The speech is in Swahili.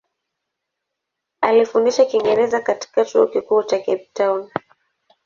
Alifundisha Kiingereza katika Chuo Kikuu cha Cape Town.